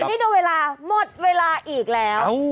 วันนี้ดูเวลาหมดเวลาอีกแล้ว